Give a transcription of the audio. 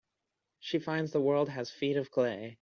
She finds the world has feet of clay.